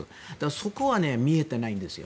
そこは見えてないんですよ。